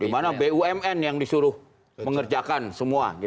dimana bumn yang disuruh mengerjakan semua